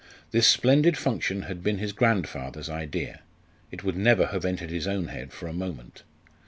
This splendid function had been his grandfather's idea; it would never have entered his own head for a moment.